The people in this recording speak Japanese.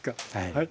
はい。